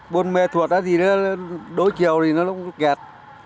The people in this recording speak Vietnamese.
buôn mê thuật hay gì đó đối chiều thì nó cũng kẹt